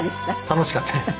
楽しかったです。